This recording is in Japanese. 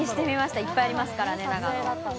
いっぱいありますからね、長野。